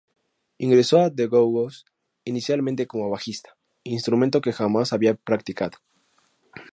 Ingresó a The Go-Go's inicialmente como bajista, instrumento que jamás había practicado.